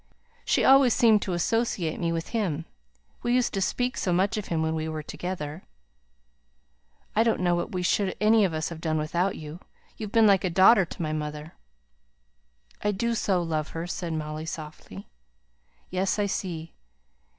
She always seemed to associate me with him. We used to speak so much of him when we were together." "I don't know what we should any of us have done without you. You've been like a daughter to my mother." "I do so love her," said Molly, softly. "Yes; I see.